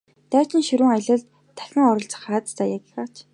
Дайчин ширүүн аялалд дахин оролцох аз заяагаач!